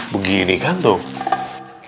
begini kan tuh